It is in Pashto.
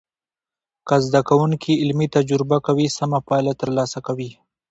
که زده کوونکي علمي تجربه کوي، سمه پایله تر لاسه کوي.